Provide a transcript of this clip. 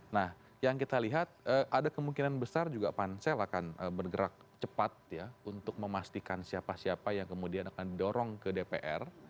nah yang kita lihat ada kemungkinan besar juga pansel akan bergerak cepat ya untuk memastikan siapa siapa yang kemudian akan didorong ke dpr